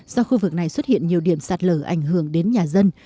do khu vực này xuất hiện nhiều điểm sạt lở ảnh hưởng đến nhà dân